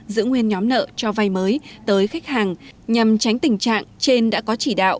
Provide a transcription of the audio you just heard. giữ nguyên nhóm nợ cho vay mới tới khách hàng nhằm tránh tình trạng trên đã có chỉ đạo